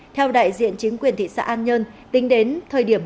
theo đại diện chính quyền thị xã an nhân tính đến thời điểm một mươi chín h